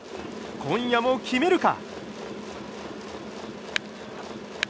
今夜も決めるか。